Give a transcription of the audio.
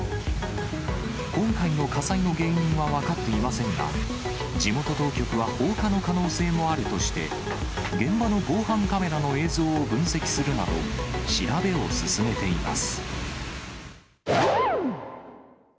今回の火災の原因は分かっていませんが、地元当局は放火の可能性もあるとして、現場の防犯カメラの映像を分析するなど、調べを進めています。